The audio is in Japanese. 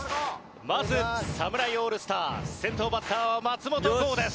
まず侍オールスター先頭バッターは松本剛です。